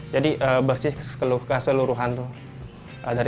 jadi bersih ke seluruhan tuh